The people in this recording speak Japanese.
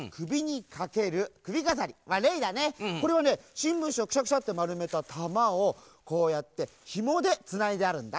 しんぶんしをくしゃくしゃってまるめたたまをこうやってひもでつないであるんだ。